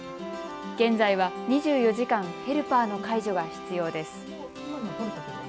現在は２４時間ヘルパーの介助が必要です。